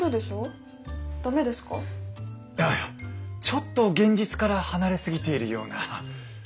ちょっと現実から離れ過ぎているような。